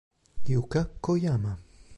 Yuka Koyama